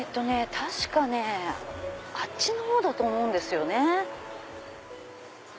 確かあっちのほうだと思うんですよね。